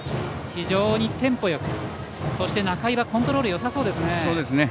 非常にテンポよくそして、仲井はコントロールよさそうですね。